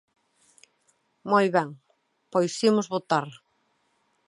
Moi ben, pois imos votar.